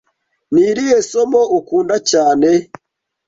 Ni irihe somo ukunda cyane?